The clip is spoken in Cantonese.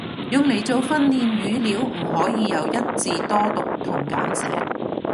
用嚟做訓練語料唔可以有一字多讀同簡寫